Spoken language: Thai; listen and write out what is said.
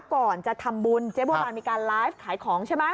ก่อนจะทำบุญเจ๊โบราณมีการไลฟ์ขายของใช่ไหม